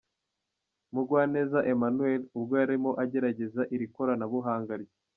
Mugwaneza Emmanuel, ubwo yarimo agerageza iri koranabuhanga rye.